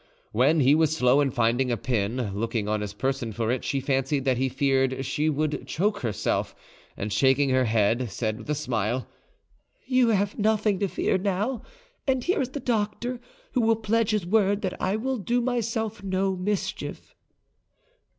When he was slow in finding a pin, looking on his person for it, she fancied that he feared she would choke herself, and shaking her head, said, with a smile, "You have nothing to fear now; and here is the doctor, who will pledge his word that I will do myself no mischief."